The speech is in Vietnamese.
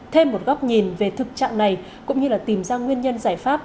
thêm một góc nhìn về thực trạng này cũng như là tìm ra nguyên nhân giải pháp